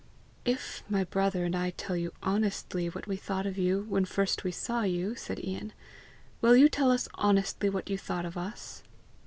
"If my brother and I tell you honestly what we thought of you when first we saw you," said Ian, "will you tell us honestly what you thought of us?"